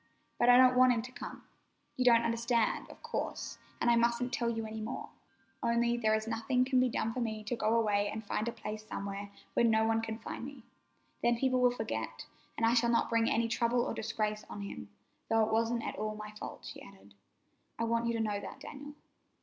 But I don't want him to come. You don't understand, of course, and I mustn't tell you any more, only there is nothing can be done but for me to go away and find a place somewhere where no one can find me. Then people will forget, and I shall not bring any trouble or disgrace on him—though it wasn't at all my fault," she added. "I want you to know that, Daniel."